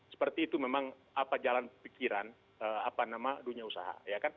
seperti itu memang apa jalan pikiran dunia usaha